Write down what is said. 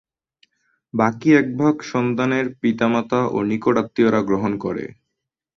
বাকি এক ভাগ সন্তানের পিতা-মাতা ও নিকট আত্মীয়রা গ্রহণ করে।